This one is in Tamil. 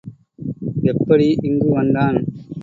எப்படி இங்கு வந்தான்?